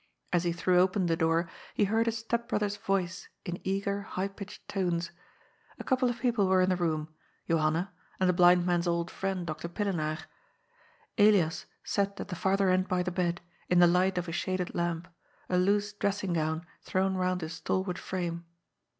As he threw open the door, he heard his step brother's voice in eager, high pitched tones. A couple of people were in the room, Johanna, and the blind man's old friend. Dr. Pillenaar. Elias sat at the farther end by the bed, in the light of a shaded lamp, a loose dressing gown thrown round his stalwart frame.